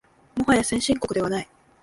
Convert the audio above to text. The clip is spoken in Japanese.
もはや先進国ではない